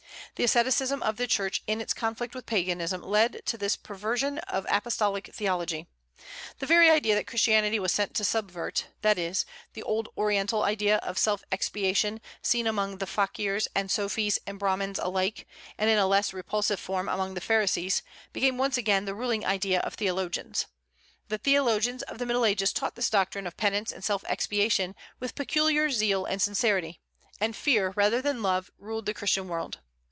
The asceticism of the Church in its conflict with Paganism led to this perversion of apostolic theology. The very idea that Christianity was sent to subvert, that is, the old Oriental idea of self expiation, seen among the fakirs and sofis and Brahmins alike, and in a less repulsive form among the Pharisees, became once again the ruling idea of theologians. The theologians of the Middle Ages taught this doctrine of penance and self expiation with peculiar zeal and sincerity; and fear rather than love ruled the Christian world.